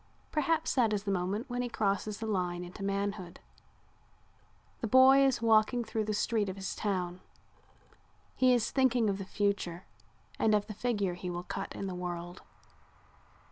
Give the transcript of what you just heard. Perhaps that is the moment when he crosses the line into manhood. The boy is walking through the street of his town. He is thinking of the future and of the figure he will cut in the world.